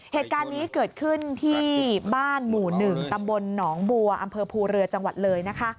เหตุการณ์นี้เกิดขึ้นที่บ้านหมู่หนึ่งตำบลหนองบัวอภูเรือจังหวัดเลย